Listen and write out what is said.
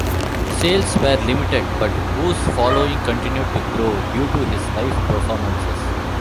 Sales were limited but Wu's following continued to grow due to his live performances.